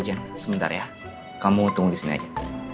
jen sebentar ya kamu tunggu di sini aja